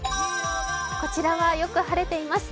こちらはよく晴れています。